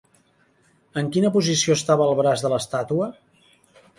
En quina posició estava el braç de l'estàtua?